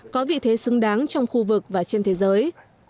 có vị thế xứng đáng trong khu vực và trên thế giới